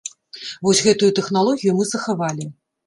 Вось гэтую тэхналогію мы захавалі.